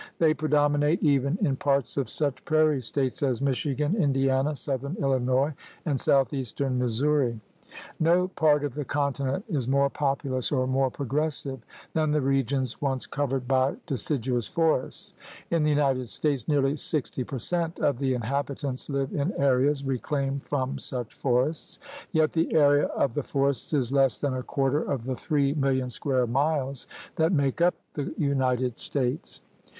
They predominate even in parts of such prairie States as Michigan, Indiana, southern Illinois, and southeastern Mis souri. No part of the continent is more populous or more progressive than the regions once covered THE GARMENT OF VEGETATION 99 by deciduous forests. In the United States nearly sixty per cent of the inhabitants hve in areas reclaimed from such forests. Yet the area of the forests is less than a quarter of the three million square miles that make up the United States.